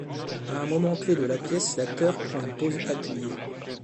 À un moment-clef de la pièce, l'acteur prend une pose appuyée.